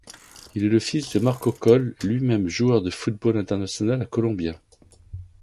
Il est le fils de Marcos Coll, lui-même joueur de football international colombien.